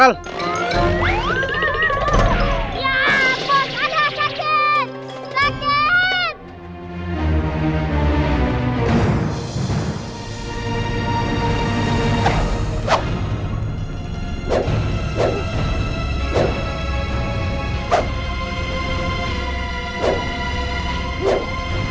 ya ampun ada sakit sakit